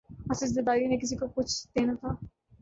آصف زرداری نے کسی کو کچھ دینا تھا۔